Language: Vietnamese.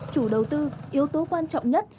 chủ đầu tư yếu tố quan trọng nhất